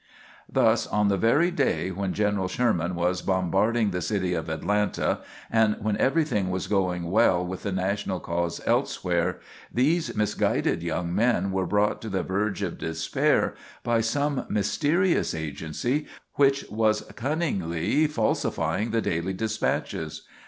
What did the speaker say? Thus on the very day when General Sherman was bombarding the city of Atlanta, and when everything was going well with the National cause elsewhere, these misguided young men were brought to the verge of despair by some mysterious agency which was cunningly falsifying the daily despatches.